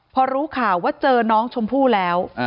พอรู้ข่าวว่าเจอน้องชมพู่แล้ว